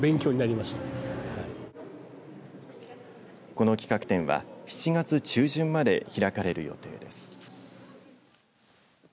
この企画展は７月中旬まで開かれる予定です。